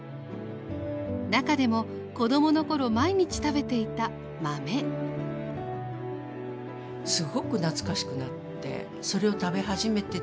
中でも子どもの頃毎日食べていた豆しみじみ。